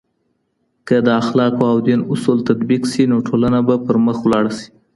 که د اخلاقو او دین اصول تطبيق سي، نو ټولنه به پرمخ لاړه سي.